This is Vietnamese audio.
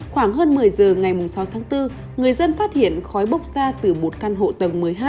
khoảng hơn một mươi giờ ngày sáu tháng bốn người dân phát hiện khói bốc ra từ một căn hộ tầng một mươi hai